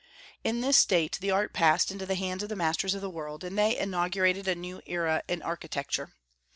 In this state the art passed into the hands of the masters of the world, and they inaugurated a new era in architecture.